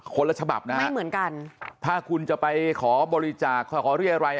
ละฉบับนะฮะไม่เหมือนกันถ้าคุณจะไปขอบริจาคขอเรียกอะไร